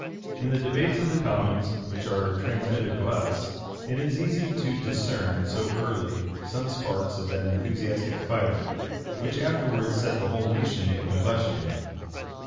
In the debates of the commons, which are transmitted to us, it is easy to discern so early some sparks of that enthusiastic fire which afterwards set the whole nation in combustion.